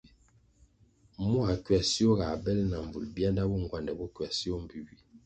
Mua ckywasio ga bèle na mbvul bianda bo ngwandè bo ckywasio mbpi ywie.